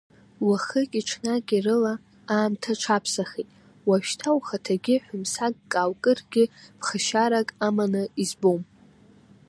Уахыки-ҽнаки рыла аамҭа аҽаԥсахит, уажәшьҭа ухаҭагьы ҳәымсагк ааукыргьы ԥхашьарак аманы избом!